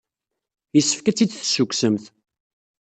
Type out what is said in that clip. Yessefk ad tt-id-tessukksemt.